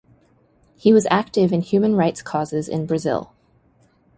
He was active in human rights causes in Brazil.